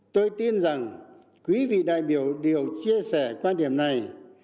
tôi tin rằng quý vị đại biểu đều chia sẻ quan điểm này